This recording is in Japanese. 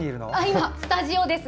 今、スタジオです。